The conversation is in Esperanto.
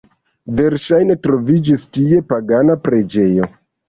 Verŝajne troviĝis tie pagana preĝejo.